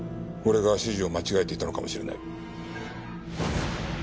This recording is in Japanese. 俺が指示を間違えていたのかもしれない。